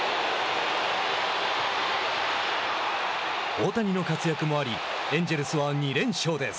大谷の活躍もありエンジェルスは２連勝です。